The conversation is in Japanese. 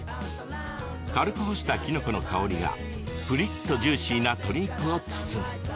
軽く干した、きのこの香りがプリっとジューシーな鶏肉を包む。